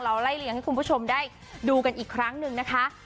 ไล่เลี่ยงให้คุณผู้ชมได้ดูกันอีกครั้งหนึ่งนะคะ